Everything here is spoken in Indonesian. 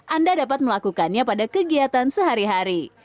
anda dapat melakukannya pada kegiatan sehari hari